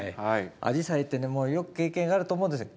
アジサイってねもうよく経験があると思うんですよ。